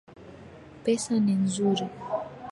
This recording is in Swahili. Pesa ni nzuri